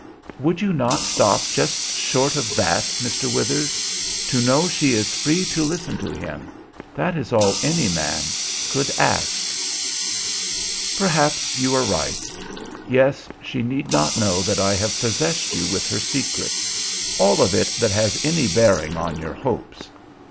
"Would you not stop just short of that, Mr. Withers? To know she is free to listen to him, that is all any man could ask." "Perhaps you are right; yes, she need not know that I have possessed you with her secret, all of it that has any bearing on your hopes.